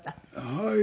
はい。